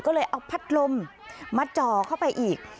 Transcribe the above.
ก็เลยเอาพัดลมมาจ่อเข้าไปอีก